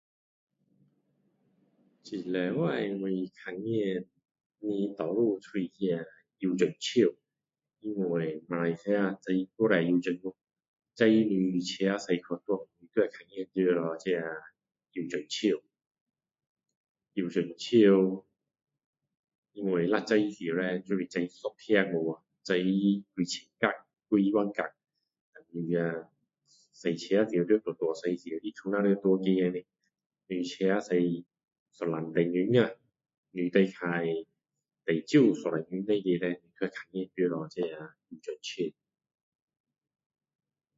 这星期我看见的多数都是那油棕树因为马来西亚种太多油棕了不管你车开去哪里你都会看到这油棕树因为若种了后就是中一田过去几千甲几万甲开车开到路路时都在里面你车开一两个小时啊你大概至少一两个小时内你会看到那油棕树